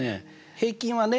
平均はね